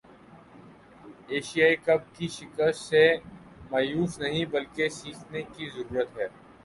Asia cup کی شکست سے مایوس نہیں بلکہ سیکھنے کی ضرورت ہے